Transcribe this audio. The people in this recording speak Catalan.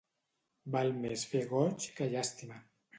Val més fer goig que llàstima.